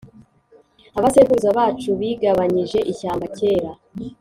abasekuruza bacu bigabanyije ishyamba kera